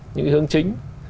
những cái hướng chính